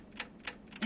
え？